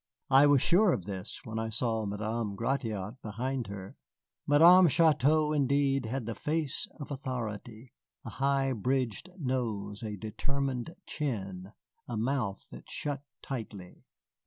I was sure of this when I saw Madame Gratiot behind her. Madame Chouteau indeed had the face of authority, a high bridged nose, a determined chin, a mouth that shut tightly.